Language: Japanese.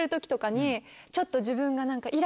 ちょっと自分が。